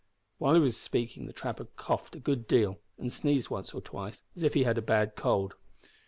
While he was speaking the trapper coughed a good deal, and sneezed once or twice, as if he had a bad cold.